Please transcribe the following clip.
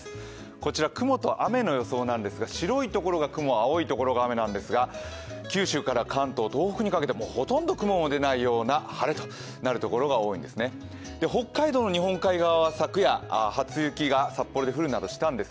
こちら雲と雨の予想ですが、白いところが雲、青いところが雨なんですが九州から関東東北にかけてもほとんど雲も出ないような晴れとなるところが多いんです。